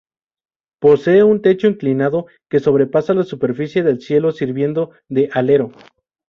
Posee un techo inclinado que sobrepasa la superficie del cielo, sirviendo de alero.